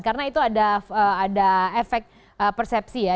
karena itu ada efek persepsi ya